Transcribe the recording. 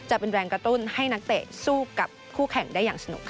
จะเป็นแรงกระตุ้นให้นักเตะสู้กับคู่แข่งได้อย่างสนุกค่ะ